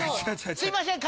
すいません。